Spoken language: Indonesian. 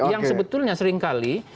yang sebetulnya seringkali